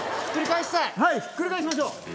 ひっくり返しましょう。